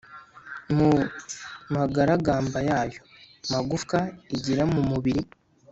mu magaragamba yayo. magufwa igira mu mubiri